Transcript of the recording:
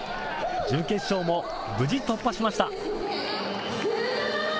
準決勝も無事、突破しました。